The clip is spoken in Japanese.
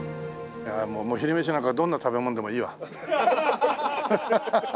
いやもう昼飯なんかどんな食べ物でもいいわ。